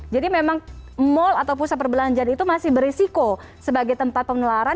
jadi memang mall atau pusat perbelanjaan itu masih berisiko sebagai tempat penularan